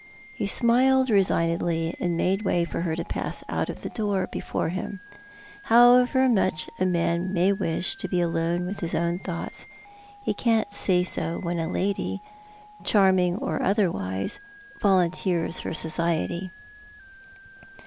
He smiled resignedly, and made way for her to pass out of the door before him. However much a man may wish to be alone with his own thoughts, he can't say so when a lady charming or otherwise— volunteers her society.